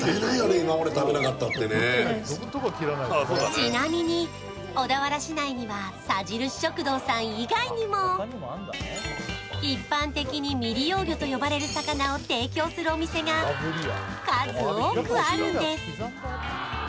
ちなみに、小田原市内にはさじるし食堂さん以外にも一般的に未利用魚と呼ばれる魚を提供するお店が数多くあるんです。